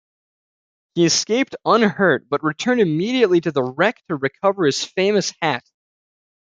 He escaped unhurt, but returned immediately to the wreck to recover his famous hat.